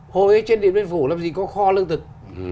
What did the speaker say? thôi trên điện biên phủ làm gì có kho lương thực